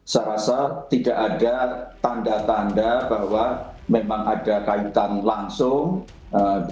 saya rasa tidak ada tanda tanda bahwa memang ada kaitan langsung